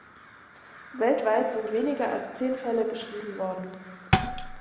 Weltweit sind weniger als zehn Fälle beschrieben worden.